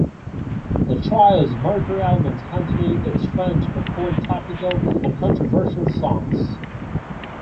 The trio's Mercury albums continued its trend to record topical and controversial songs.